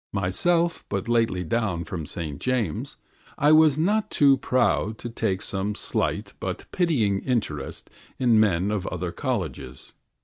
Myself but lately down from ST. JAMES', I was not too proud to take some slight but pitying interest in men of other colleges.